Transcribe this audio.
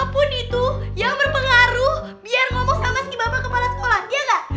jadi apapun itu yang berpengaruh biar ngomong sama segi bapak kepala sekolah iya gak